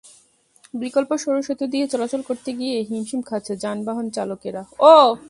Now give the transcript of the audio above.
বিকল্প সরু সেতু দিয়ে চলাচল করতে গিয়ে হিমশিম খাচ্ছে যানবাহন চালকেরা।